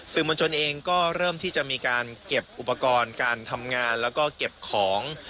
มวลชนเองก็เริ่มที่จะมีการเก็บอุปกรณ์การทำงานแล้วก็เก็บของ